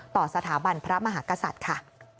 ต่อสถาบันพระมหากษัตริย์ค่ะ